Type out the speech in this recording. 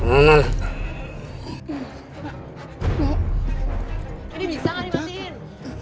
ini bisa gak dimatikan